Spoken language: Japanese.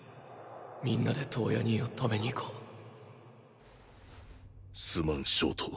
皆で燈矢兄を止めに行こうすまん焦凍。